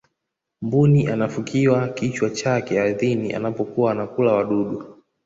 mbuni anafukia kichwa chake ardhini anapokuwa anakula wadudu